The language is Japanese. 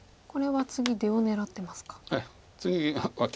これは次出を狙ってますか。